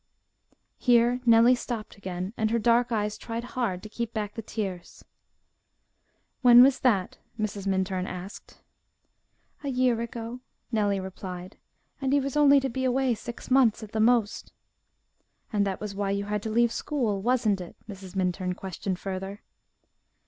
Here Nellie stopped again and her dark eyes tried hard to keep back the tears. "When was that?" Mrs. Minturn asked. "A year ago," Nellie replied, "and he was only to be away six months at the most." "And that was why you had to leave school, wasn't it?" Mrs. Minturn questioned further.